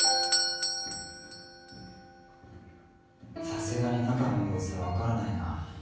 さすがに中の様子は分からないな。